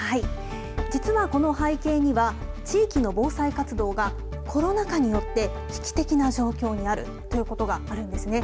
実は、この背景には、地域の防災活動が、コロナ禍によって危機的な状況にあるということがあるんですね。